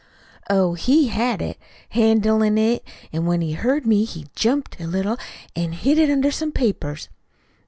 "Oh, he had it, handlin' it, an' when he heard me, he jumped a little, an' hid it under some papers.